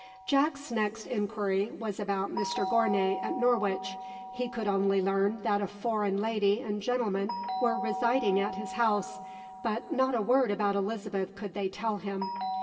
Jack's next inquiry was about Mr Gournay at Norwich. He could only learn that a foreign lady and gentleman were residing at his house, but not a word about Elizabeth could they tell him.